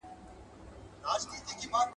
چي له هر ځای څخه دي پېغلي